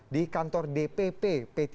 di kantor dpp p tiga